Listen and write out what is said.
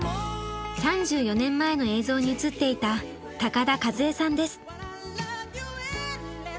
３４年前の映像に映っていた田かずえさんです。